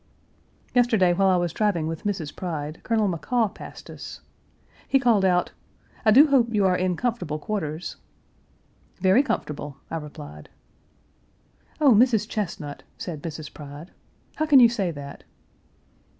Yesterday while I was driving with Mrs. Pride, Colonel McCaw passed us! He called out, "I do hope you are in comfortable quarters." "Very comfortable," I replied. "Oh, Mrs. Chesnut!" said Mrs. Pride, "how can you say that?"